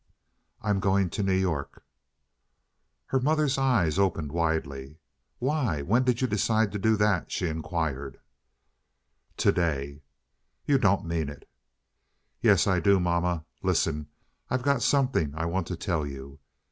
"I'm going to New York." Her mother's eyes opened widely. "Why, when did you decide to do that?" she inquired. "To day." "You don't mean it!" "Yes, I do, mamma. Listen. I've got something I want to tell you.